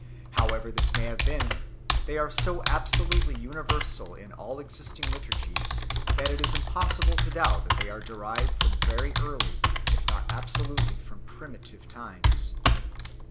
However this may have been, they are so absolutely universal in all existing liturgies that it is impossible to doubt that they are derived from very early, if not absolutely from primitive times 1